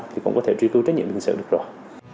thì cũng có thể trí cứu trách nhiệm liên xử được rồi